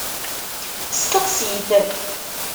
Steqsi-t.